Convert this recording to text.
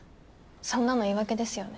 そんなの言い訳ですよね。